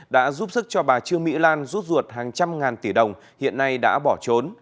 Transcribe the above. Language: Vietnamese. đã giúp sức cho bà trương mỹ lan rút ruột hàng trăm ngàn tỷ đồng hiện nay đã bỏ trốn